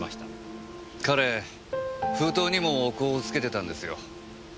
彼封筒にもお香をつけてたんですよ。